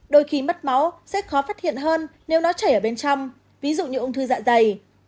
đôi khi mất máu sẽ khó phát hiện hơn nếu nó chảy ở bên trong ví dụ như ung thư dạ dày